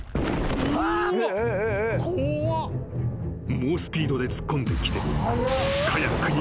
［猛スピードで突っ込んできて］